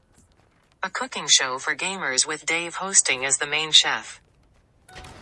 A cooking show for gamers with Dave hosting as the main chef.